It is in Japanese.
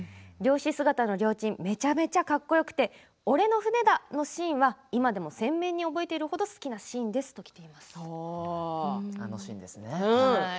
漁師姿のりょーちんめちゃめちゃかっこよくて俺の船だ！のシーンは今でも鮮明に覚えているほど好きなシーンですときています。